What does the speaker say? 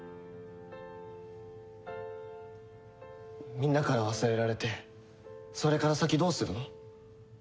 みんなから忘れられてそれから先どうするの？